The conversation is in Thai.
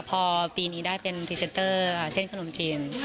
พอปีนี้ได้เป็นพรีเซนเตอร์เส้นขนมจีน